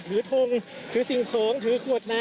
คุณภูริพัฒน์บุญนิน